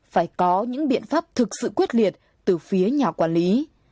phải có những biện pháp thực sự quyết liệt từ phía nhà quản lý